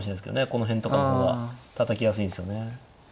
この辺とかの方がたたきやすいんですよね。